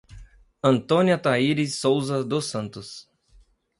Antônia Tairis Souza dos Santos